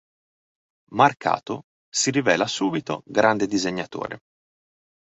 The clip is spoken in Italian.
Marcato si rivela subito grande disegnatore.